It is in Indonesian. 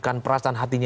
bukan perasaan hatinya